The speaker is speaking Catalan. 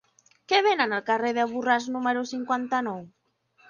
Què venen al carrer de Borràs número cinquanta-nou?